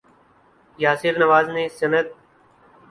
یاسر نواز نے سند